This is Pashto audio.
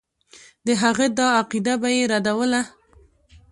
د هغه دا عقیده به یې ردوله.